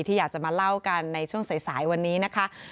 ที่อยากจะมาเล่ากันในช่วงสายวันนี้นะคะ